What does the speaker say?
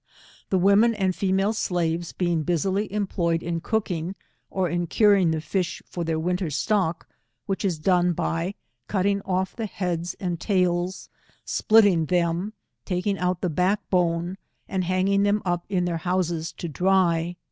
The women and female slaves being busily employed in cookinj^, or in curing the fish for their winter stock, which is done by catting off the heads and tails splitting them, taking out the back bone, and hanging them up in their houses to dry.